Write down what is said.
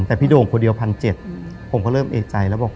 แต่พี่โด่งคนเดียวพันเจ็ดอืมผมก็เริ่มเอกใจแล้วบอก